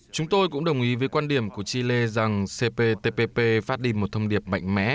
chúng tôi cũng đồng ý với quan điểm của chile rằng cptpp phát đi một thông điệp mạnh mẽ